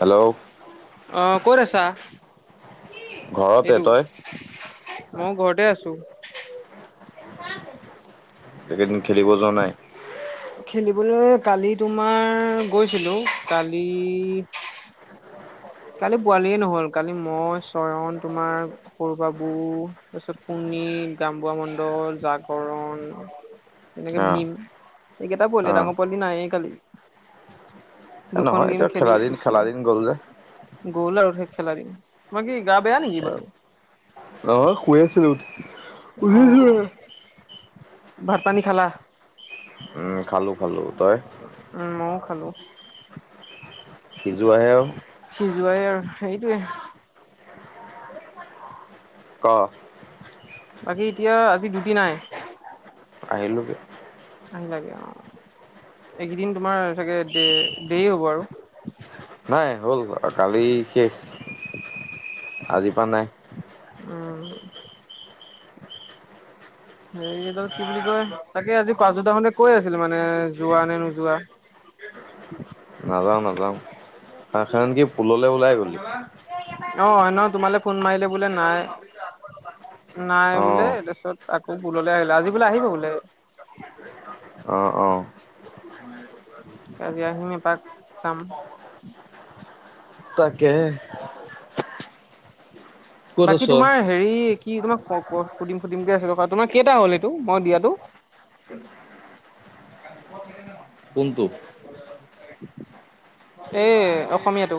Hello. অঁহ', ক'ত আছা? ঘৰতে তই মই ঘৰতে আছো। এইকেইদিন খেলিব যোৱা নাই? খেলিবলৈ কালি তোমাৰ গৈছিলো কালি। কালি পোৱালিয়ে নহল কালি মই চয়ন তোমাৰ সৰু বাবু, তাৰপিছত কুনী গাম বোৱা মণ্ডল জাগৰণ তেনেকে অ ভীম এইকেইটা অ পোৱালি ডাঙৰ পোৱালি নাই এ কালি। দুখন গেম খেলি শুইছো। গলগে। গ'ল আৰু সেই খেলাৰ দিন তোমাৰ কি গা বেয়া নেকি বাৰু? অ শুই আছিলো উঠিছো আৰু। ভাতপানী খালা? উম, খালোঁ খালোঁ তই? উম মইও খালো। সিজোৱাহে আও। সিজোৱাই আৰু সেইটোয়ে। ক বাকী এতিয়া আজি ডিউটি নাই? আহিলোগে। আহিলাগে অহ এইকেইদিন তোমাৰ চাগে দে দেৰি হ'ব আৰু? নাই হ'ল কালি শেষ, আজিৰ পৰা নাই। উম হেৰি ত কি বুলি কয় তাকে আজি কাজু দা হতে মানে কৈ আছিল মানে যোৱা নে নোযোৱা? নাযাওঁ নাযাওঁ সেইখন কি পুললে ওলাই গ'লি? অ সেইদিনা তোমালে ফোন মাৰিলে বোলে নাই। নাই অ বোলে তাৰপিছত আকৌ পুললে আহিলে আজি বোলে আহিব বোলে। অ অ আজি আহিম এপাক চাম। তাকে ক'ত বাকী আছ তোমাৰ হেৰি কি তোমাক সুধিম সুধিম কে আছিলো, তোমাৰ কেইটা হ'ল সেইটো মই দিয়াতো? [unintelligible] কোনটো? এ অসমীয়াটো।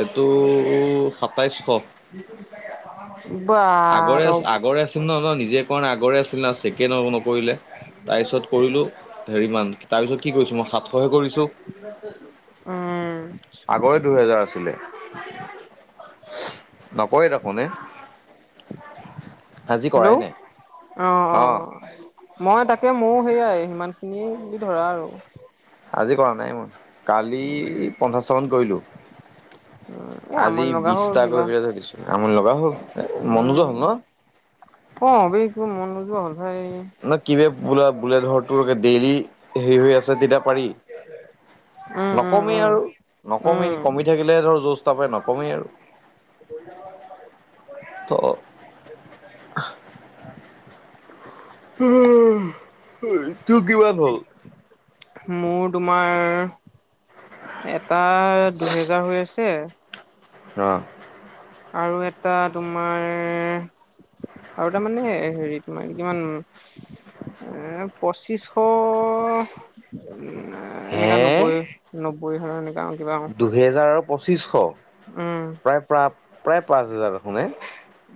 এইটো সাতাইছশ। বা আগৰে অ আগৰে আছিল ন নিজে কৰ না আগৰে আছিল [inaudible] কৰিলে তাৰপিছত কৰিলো হেৰি তাৰপিছত কি কৰিছো মই সাতশহে কৰিছো। উম আগৰে দুহেজাৰ আছিলে। [unintelligible] নকয় দেখোন এ আজি হেল্ল' অ কৰাই নাই অ। মই তাকে মোৰ সেইয়াই সিমান খিনিয়ে বুলি ধৰা আৰু। আজি কৰা নাই মই কালি পঞ্চাশটামান কৰিলোঁ। উম এ আজি আমনি লগা হ'ল বিশটা কিবা কৰি পেলাই থৈ দিছো, আমনি লগা হল এ মন উম নজোৱা হল ন? অ বে কিবা মন নোজোৱা হ'ল ভাই। ন কিবা বো বুলে টোৰ ডেইলি হেৰি হৈ আছে তেতিয়া পাৰি। উম উম নকমেই উম আৰু নকমেই উম কমি থাকিলে ধৰ যোচ তপে নকমেই আৰু। [unintelligible] অ অ' তোৰ কিমান হ'ল? মোৰ তোমাৰ, এটা দুহেজাৰ হৈ আছে- অঁ' আৰু এটা তোমাৰ- আৰু তাৰমানে হেৰি তোমাৰ, কিমান- এঁ পঁচিছশ নে- এঁ হে এনেকা নব্বৈ নব্বৈ হয় এনেকা আৰু কিবা- দুহেজাৰৰ উম পঁচিছশ- প্ৰায় প্ৰা প্ৰায় পাঁচ হাজাৰ দেখোন এ,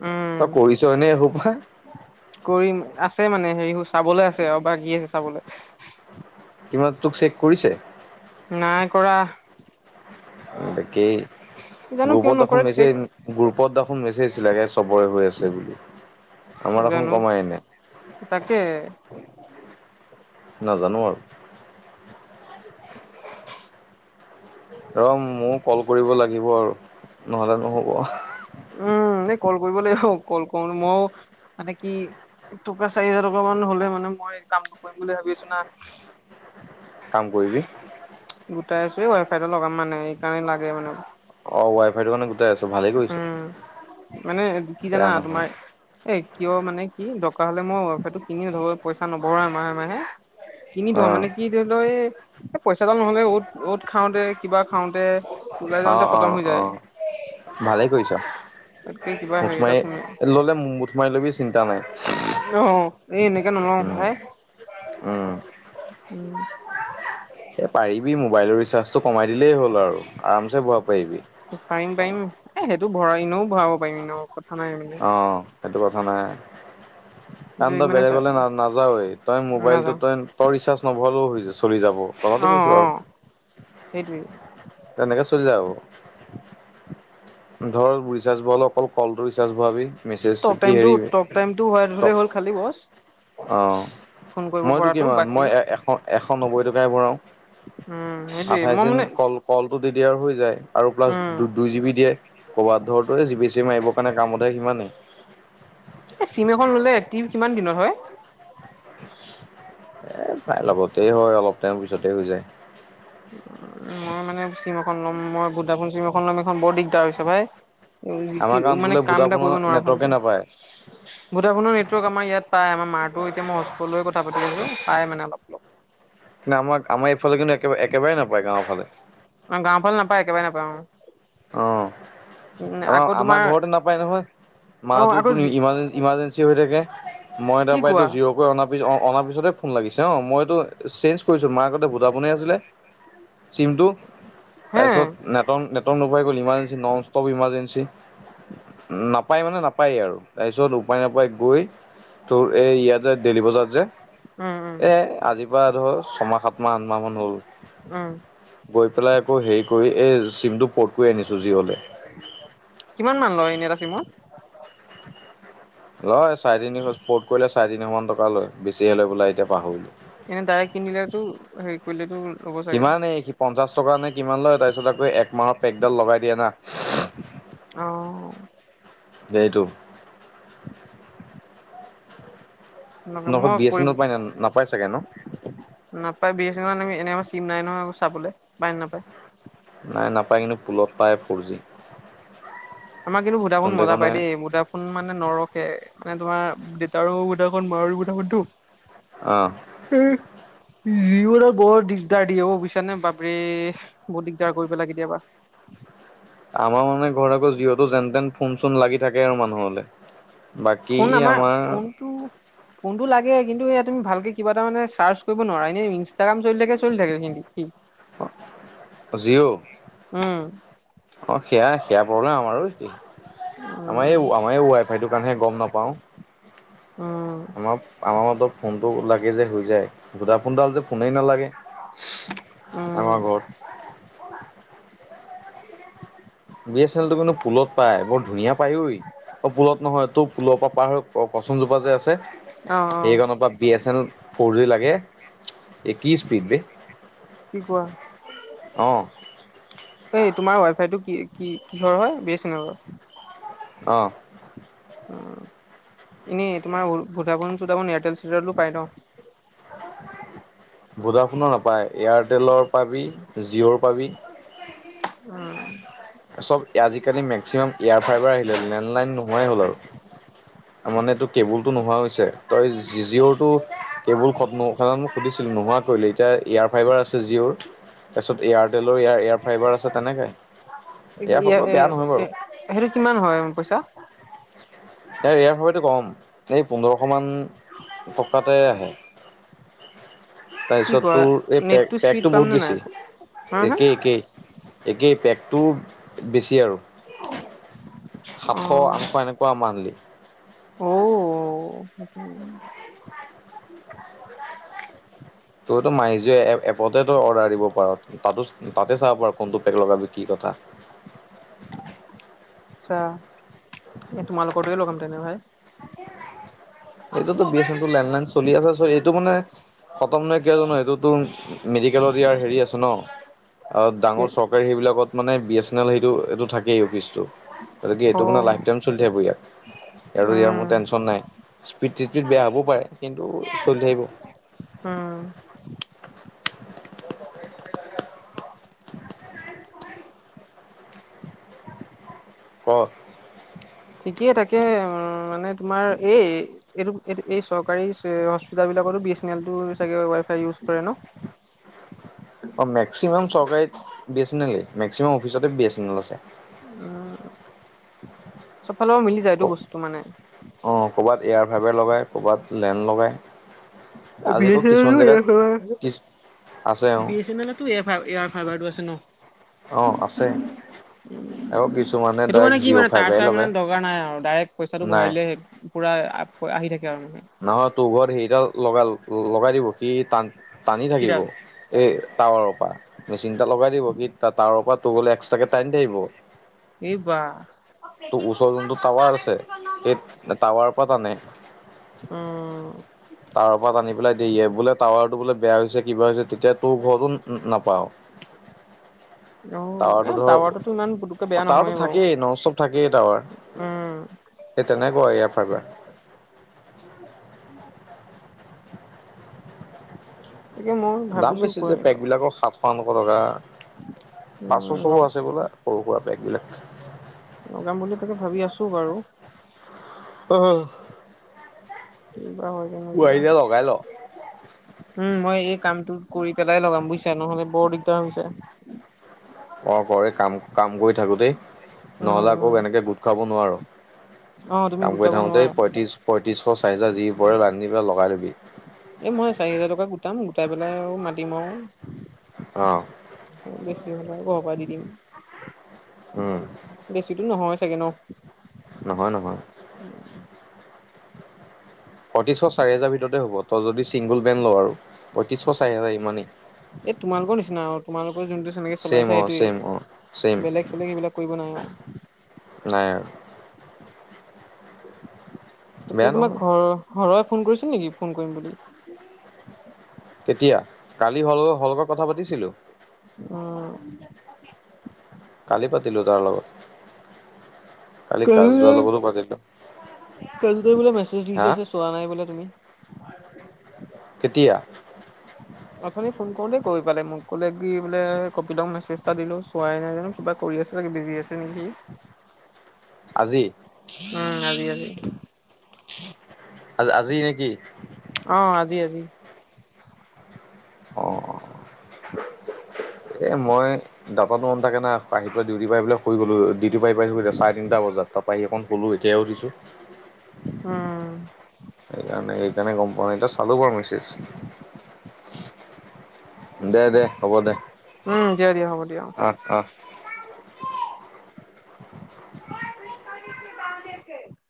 উম তই কৰিছই নে এসোপা? কৰিম, আছে মানে হেৰি চাবলে আছে আৰু বাকী আছে চাবলে। কিমান তোক চেক কৰিছে? নাই কৰা। একেই। জানো কিয় গ্ৰুপত দেখোন নকৰে চেক মেছেজ গ্ৰুপত দেখোন মেছেজ দিছিলাগে, চবৰে গৈ আছে বুলি। আমাৰ দেখোন জানো কমাই নাই। তাকে। নাজানো আৰু। [unintelligible] ৰ ময়ো কল কৰিব লাগিব আৰু নহ'লে নহ'ব। উম' এই কল কৰিব লাগিব, কল কৰো মও মানে কি- টকা চাৰি হেজাৰ টকা মান হ'লে মানে মই কামটো কৰিম বুলি ভাবি আছো না। কাম কৰিবি? গোটাই আছো, এই ৱাই ফাইটো লগাম মানে, এইকাৰণে লাগে মানে। অঁ' ৱাই ফাইটো মানে গোটাই আছো। ভালেই কৰিছ উম' মানে কি জানা? বেয়া নহয় তোমাৰ- এ কিয় মানে কি দৰকাৰ হ'লে মই ৱাইফাইটো কিনিলো হয়, পইচা নভৰাই মাহে মাহে। কিনি থওঁ অ', মানে কি- লৈ এই পইচাডাল নহলে অ'ত খাওঁতে কিবা খাওঁতে- ওলাই অ', যাওঁতে অ', খতম হৈ যায়। অ', ভালেই কৰিছ। তাতকে কিবা হেৰি এটা খুলি মুঠমাৰি ললে মুঠমাৰি লবি চিন্তা নাই। অঁ' এই এনেকে নলওঁ ভাই। উম, এ পাৰিবি মোবাইলৰ ৰিচাৰ্জটো কমাই দিলেই হ'ল আৰু, আৰাম চে ভৰাব পাৰিবি। পাৰিম পাৰিম। এ সেইটো ভৰা ইনেও ভৰাব পাৰিম ইনেও‌ ঔষধ। অঁ' সেটো কথা নাই। কিন্তু কাৰন তই মানে চা বেলেগলে না নাযাৱওৱে, তই মোবাইলটো নাযাওঁ তই তই ৰিচাৰ্জ নভৱালেও হৈ চলি যাব। কথাতো কৈছো আৰু। সেইটোৱেই। তেনেকে চলি যায় আৰু। ধৰ ৰিচাৰ্জ ভৰালেও অকল কলটো ৰিচাৰ্জ ভৰাবি। মেছেজ ট'ক কি টাইম টো হেৰি ট'ক টাইম টো ভৰাই থলে হ'ল খালি বছ। অঁ' ফোন কৰিব মইতো পৰাটো কিমান বাকী মই এ এশ এশ নব্বৈ টকাহে ভৰাওঁ। উম' হেইতোৱেই, আঠাইছ মই দিন মানে- কল কলটো দি দিয়ে আৰু হৈ যায়। আৰু প্লাছ উম দু দুই জিবি দিয়ে, ক'ৰবাত ধৰ তোৰ জিবি চিবি মাৰিবৰ কাৰণে কামত আহে সিমানেই। এ, চিম এখন ল'লে এক্টিভ কিমান দিনত হয়? [inaudible] এ, প্ৰাই লগতে হয়, অলপ টাইম পিছতে হৈ যায়। মই মানে চিম এখন ল'ম, মই ভোডাফোন চিম এখন ল'ম, এইখন বৰ দিগদাৰ হৈছে ভাই। আমাৰ কি গাঁৱত মানে বোলে কাম এটা ভোডাফোনৰ কৰিব নোৱাৰ নেটৱৰ্কে ভালকে। নাপায় ভোডাফোনৰ নেটৱৰ্ক আমাৰ ইয়াত পায়। আমাৰ মাৰটো এতিয়া মই হটস্পট লৈ কথা পাতি আছোঁ, পায় মানে অলপ অলপ। না আমাক, আমাৰ এইফাল কিন্তু একেবাৰে একবাৰে নাপায় গাঁৱৰ ফালে। অ' গাঁৱৰফালে নাপায়, একেবাৰে নাপায় অ'। অ' উম তাৰপা আকৌ তোমাৰ আমাৰ ঘৰতে নাপায় নহয়। অ আকৌ মাৰটোতো ইমাৰজে ইমাৰ্জেঞ্চি হৈ থাকে, মই কি তাৰ পৰা এইটো কোৱা জিঅ' কৰি অনা বুজিছ, অ-অনাৰ পিছতে ফোন লাগিছে। অ' মইটো চেন্স কৰিছোঁ, মাৰ আগতে ভোডাফোনে আছিলে চিমটো হে তাৰপিছত নেটন নেট টন নোপোৱাই হ'ল, ইমাৰজেঞ্চি, নন ষ্টপ ইমাৰজেঞ্চি। নাপায় মানে নাপায় আৰু তাৰপিছত উপায় নাপায় গৈ তোৰ এই ইয়াত যে দেলি বজাৰত যে উম উম এই আজিৰ পৰা ধৰ ছমাহ, সাতমাহ, আঠমাহমান হ'ল। উম গৈ পেলাই আকৌ হেৰি কৰি, এই চিমটো পট কৰি আনিছোঁ জিঅ'লে। কিমান মান লয় এনে এটা চিমত? লয় চাৰে তিনিশ, পৰ্ট কৰিলে চাৰে তিনিশ মান টকা লয়, বেছিহে লয় বোলে এতিয়া পাহৰিলোঁ। এনে ডাইৰেক্ট কিনিলেতো হেই কৰিলেতো লগত সিমানেই সি পঞ্চাশ টকা নে কিমান লয় তাৰপিছত আকৌ একমাহৰ পেকডাল লগাই দিয়ে না। অ'। সেইটো। [inaudible] সেনেকুৱা নগধ মই বি এছ কৰি এনো পায় না, নাপাই চাগে ন'? নাপায় বি এছ এনেলৰ এনে এনেকে চিম নাই নহয়, চাবলৈ পায় নাপায়। নাই নাপায় কিন্তু পুলত পায় ফ'ৰ জি। আমাৰ কিন্তু ভোডাফোন তেন্তে মজা মানে পায় দেই, ভোডা ফোন মানে নৰখে মানে তোমাৰ দেউতাৰো [unintelligible] অ'। হু। জিঅ'ৰো বৰ দিগদাৰ দিয়ে বুজিছানে, বাপৰে বৰ দিগদাৰ কৰি পেলাই কেতিয়াবা। আমাৰ মানে ঘৰত আকৌ যিহুতো যেনতেন ফোন চোন লাগি থাকে আৰু মানুহলে। বাকী ফোন আমাৰ ফোনটো ফোনটো লাগে কিন্তু এয়া তুমি ভালকে কিবা এটা মানে চাৰ্চ কৰিব নোৱাৰা, এনে ইনষ্টাগ্ৰাম চলি থাকে, চলি থাকে কিন্তু সি। জিঅ'? উম। অ' সেয়া সেয়া প্ৰব্লেম আমাৰো হৈছে, উম আমাৰ এই আমাৰ এই ৱেই সেইটো কাৰনেহে গম নাপাওঁ। উম। আমাৰ আমাৰ মতে ফোনটো লাগে যে হৈ যায়। ভোডাফোনডাল যে ফোনেই নালাগে। উম। আমাৰ ঘৰত বি এছ এন এলটো কিন্তু পুলত পায়, বৰ ধুনীয়া পায় ঐ, অ' পুলত নহয় তোৰ স্কুলৰ পৰা পাৰ হৈ কচনজোপা যে আছে, অ' অ' সেইকাৰণৰ পৰা B S L four G লাগে। এই কি স্পিড বে, কি কোৱা? অ'। এই তোমাৰ ৱাইফাই টো কি কি কিহৰ হ'য়, বি এ চেনেলৰ। অ'। অ' এনেই তোমাৰ ভুদাফোন চোদাফোন এয়াৰটেল চেয়াৰটেলত পাই ন? ভোডাফোনৰ নাপায়, এয়াৰটেলৰ পাবি, জিঅ'ৰ পাবি। চব আজিকালি মেক্সিমাম এয়াৰ ফ্ৰাইবাৰ আহিলে, লেণ্ডলাইন নোহোৱাই হ'ল আৰু। তাৰ মানে এইটো কেবুলটো নোহোৱা হৈছে। তই জি জিঅ'ৰটো, কেৱল খ নস সুধিছিল নোহোৱা কৰিলি। এতিয়া এয়াৰ ফাইবাৰ আছে জিঅ'ৰ, তাৰপিছত এয়াৰটেলৰ ইয়াৰ এয়াৰ ফাইবাৰ আছে তেনেকে। ইয়াৰ ফাইবাৰ এ বেয়া নহয় বাৰু। সেইটো কিমান হয় পইচা? এই ইয়াৰ ফাইবাৰতো ক'ম, এই পোন্ধৰশমান টকাতে আহে। কি তাৰপিছত কয় তোৰ এই পেক, নেটটো স্পীড পেকটো পাম বহুত নে নাই বেছি হা হা একেই, একেই। একেই পেকটো, বেছি আৰু, সাতশ অ' আন এনেকুৱা মানলি অ'। [inaudible] তইতো মাইজীও এ এপতে তো অৰ্ডাৰ দিব পাৰ। তাতো, তাতে চাব আৰু কোনটো পেক লগাবি কি কথা আচ্ছা, এই তোমালোকৰ তাত লগাম তেনেহ'লে ভাই। এইটো B S N landline চলি আছে চ এইটো মানে খতম নহয় কিয় জান, এইটোতো মেডিকেলত ইয়াৰ হেৰি আছে ন আৰু, ডাঙৰ চৰকাৰী সেইবিলাকত মানে বি এছ এন এল সেইটো, এইটো থাকেই অফিচটো, গতিকে অ' এইটো মানে লাইফ টাইম চলি থাকিব ইয়াত, আৰু ইয়াৰ মোৰ উম টেনশ্যন নাই। স্পীড টিদ বেয়া হ'ব পাৰে, কিন্তু চলি থাকিব। উম। [unintelligible] ঠিকেই তাকে, উম মানে তোমাৰ এই এইটো, এইটো এই চৰকাৰী হস্পিতাল বিলাকতো বি এছ এন এল চাগে ৱাই ফাই ইউজ কৰে ন? অ', মেক্সিমাম চৰকাৰী, বি এছ এন এলই মেক্সিমাম অফিচতে বি এছ এন এল আছে। উম, চবফালৰ পৰা মিলি যায় এইটো বস্তুতো মানে। অ', কৰ'ৰবাত এয়াৰ ফাইভেৰ লগাই, কৰ'ৰবাত লেণ্ড লগায়। বি আজি আকৌ এছ এন এল কিছুমান জেগাত [unintelligible] কি আছে অ বি এ চে নেল টো এয়াৰ, এয়াৰ ফাইভাৰটো আছে ন। অ', আছে। আকৌ কিছুমানে সেইটো মানে ডাইৰেক্ট কি মানে জিঅ' তাৰ ফাইবাৰে চাৰ মানে লগাই দগকাৰ নাই আৰু ডাইৰেক্ট পইচাটো ভৰাই নাই দিলে, পোৰা আহি থাকে আৰু। নহয় তোৰ ঘৰত সেইডাল লগাই, লগাই দিব, সি টান, টানি থাকিব কিডাল এই টাৱাৰৰ পৰা, মেচিন এটা লগাই দিব সি টাৱাৰৰ পৰা তটো গ'লে এক্সট্ৰাকৈ টাইনি দি আহিব। এই বাহ। তোৰ ওচৰ যোনটো টাৱাৰ আছে, সেই টাৱাৰৰ পৰা তানে। উম। টাৱাৰৰ পৰা আটনি পেলাই দিয়ে, এ বোলে টাৱাৰটো বোলে বেয়া হৈছে, কিবা হৈছে, তেতিয়া তোৰ ঘৰতো নাপাওঁ। [inaudible] ধৰ টাৱাৰটোতো, ইমান পুটকে বেয়া টাৱাৰটো নহয় থাকেই নন ষ্টপ থাকেই টাৱাৰ বাৰু। উম, সেই তেনেকুৱা ইয়াৰ ফাইবাৰ। তাকে মই দাম ভাবিছো বেছি যে কৈ পেক বিলাকৰ, সাত [inaudible] টকা পাঁচশ, ছশ উম আছে বোলা সৰু সুৰা পেক বেগবিলাক। লগাম বুলি, তাকে ভাবি আছো বাৰু। অ, কিবা হৈ [inaudible] উম, মই এই কামটো কৰি পেলাই লগাম, বুজিছা নহ'লে বৰ দিগদাৰ হৈ যায়। অ, কৰে কাম কাম কৰি থাকোতেই, উম নহ'লে আকৌ উম। এনেকে গোট খাব নোৱাৰো, অ তুমি কাম কৰি গোটাব থাকোতে নোৱাৰা। পয়ত্ৰিশ পঁয়ত্ৰিছশ চাইজৰ যি পৰে ৰান্ধি পেল, লগাই লবি। এই মই চাৰি হোজাৰ টকা গোটাম, গোটাই পেলাই আৰু মাতিম আৰু অ, বেছি হ'ল আৰু ঘৰৰ পৰা দি দিম। উম, বেছিতো নহয় চাগে, ন? নহয়, নহয়। উম, পৈত্ৰিছশ, চাৰি হাজাৰ ভিতৰতে হ'ব, তই যদি ছিংগুল বেণ্ড ল' আৰু পৈত্ৰিছশ চাৰি হেজাৰ ইমানেই। এই তোমালোকৰ নিচিনা আৰু তোমালোকৰ যোনটো জেনেকা ছেইম চলাইছা অ ছেইম সেইটোৱে। অ ছেইম বেলেগ, চেলেগ, এইবিলাক কৰিব নাই আৰু। নাই আৰু। তাকে বেয়া তোমাক নহয় ঘৰৰ, ঘৰৰে ফোন কৰিছিল নেকি, ফোন কৰিম বুলি? কেতিয়া, কালি হ'ল হলকৈ কথা পাতিছিলো। উম, কালি পাতিলোঁ তাৰ লগত। [inaudible] কালি কাজদাৰ লগতো পাতিলোঁ মেছেজ দি থৈছে হা চোৱা নাই বোলে তুমি। কেতিয়া? [inaudible] অথনি ফোন কৰোঁতেই কৈ পালে মোক, কলে কি বোলে কপিতক মেছেজ এটা দিলো, চোৱাই নাই জানো। কিবা কৰি আছে, চাগে বিজি আছে নেকি? আজি? উম, আজি আজি। আজি নেকি? অ, আজি আজি। অ, এই মই দাটাতো, মনত থাকে না, আহি পেলাই ডিউটি পাই পাই শুই গ'লো [unintelligible] চাৰে তিনিটা বজাত, তাৰপৰা আহি ফোন কৰিলোঁ কলোঁ এতিয়াহে উঠিছোঁ। উম, সেইকাৰণে, সেইকাৰণে গম পাওঁ, এটা চালোঁ বাৰু মেছেজ। দে, দে, হ'ব দে, উম দিয়া দিয়া হ'ব দিয়া অ'। আহ, আহ,